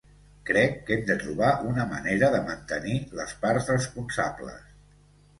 Crec que hem de trobar una manera de mantenir les parts responsables.